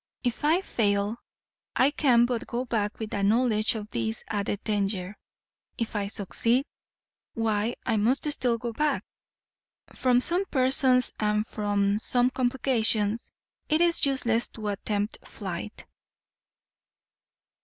"If I fail, I can but go back with a knowledge of this added danger. If I succeed, why I must still go back. From some persons and from some complications it is useless to attempt flight."